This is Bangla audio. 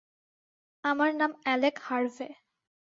আমার নাম অ্যালেক হারভে।